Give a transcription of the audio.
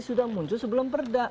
sudah muncul sebelum perda